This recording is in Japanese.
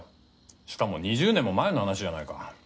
しかも２０年も前の話じゃないか。